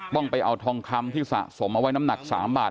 ต้องไปเอาทองคำที่สะสมเอาไว้น้ำหนัก๓บาท